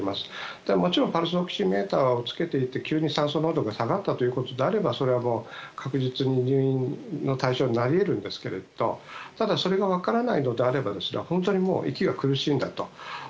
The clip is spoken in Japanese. ただ、もちろんパルスオキシメーターをつけていて急に酸素濃度が下がったということであればそれは確実に入院の対象になり得るんですがただ、それが分からないのであれば本当に息が苦しいんだと。